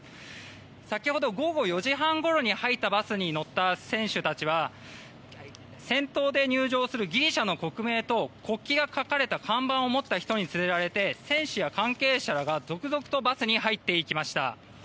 先ほど午後４時半ごろに入ったバスに乗った選手たちは先頭で入場するギリシャの国名と国旗が描かれた看板を持った人に連れられて選手や関係者らが続々とバスに入っていきました。